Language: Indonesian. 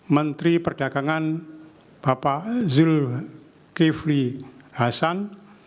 menteri perdagangan bapak zulkifli hasan